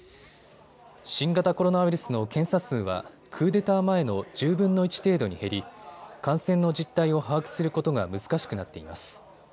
新型コロナウイルスの検査数はクーデター前の１０分の１程度に減り感染の実態を把握することが難しくなっています。